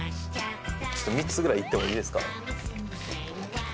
３つぐらいいってもいいですか？